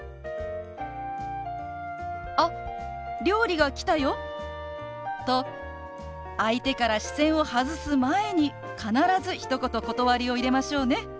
「あ料理が来たよ」と相手から視線を外す前に必ずひと言断りを入れましょうね。